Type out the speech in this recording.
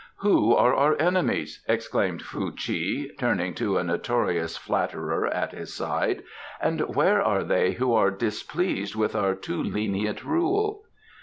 "Who are our enemies?" exclaimed Fuh chi, turning to a notorious flatterer at his side, "and where are they who are displeased with our too lenient rule?"